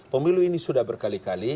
pemilu ini sudah berkali kali